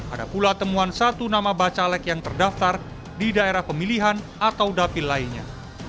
ada pula temuan satu nama bacalek yang terdaftar di daerah pemilihan atau dapil lainnya